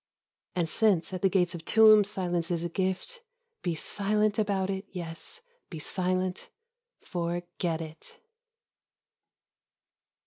And since at the gates of tombs silence is a gift, be silent about it, yes, be silent — forget it.